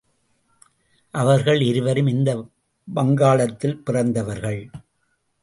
அவர்கள் இருவரும் இந்த வங்காளத்தில் பிறந்தவர்கள்.